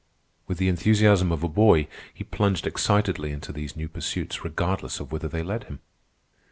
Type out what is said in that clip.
With the enthusiasm of a boy he plunged excitedly into these new pursuits, regardless of whither they led him.